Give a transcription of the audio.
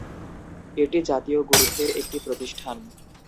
এটি জাতীয় গুরুত্বের একটি প্রতিষ্ঠান।